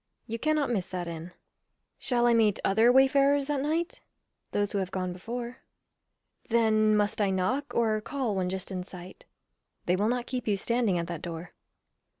You cannot miss that inn. Shall I meet other wayfarers at night? Those who have gone before. Then must I knock, or call when just in sight? They will not keep you standing at that door.